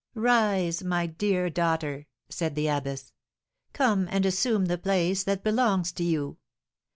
"Rise, my dear daughter," said the abbess; "come and assume the place that belongs to you.